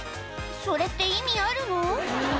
それって意味あるの？